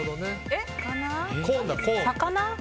魚？